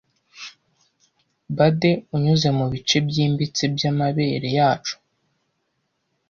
Bade unyuze mubice byimbitse byamabere yacu